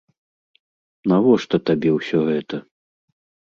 Навошта табе ўсё гэта?